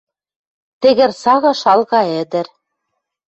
Тӹгӹр сага шалга ӹдӹр